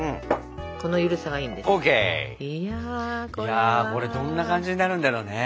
いやこれどんな感じになるんだろうね。